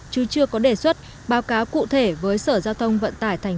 chứ chưa có đề xuất báo cáo cụ thể với sở giao thông vận tài tp hà nội